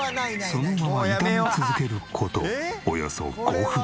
そのまま炒め続ける事およそ５分。